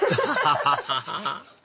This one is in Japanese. アハハハ！